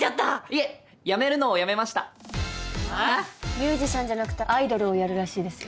ミュージシャンじゃなくてアイドルをやるらしいですよ。